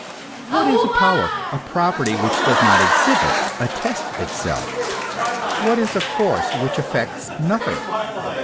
What is a power, a property, which does not exhibit, attest itself? What is a force which effects nothing?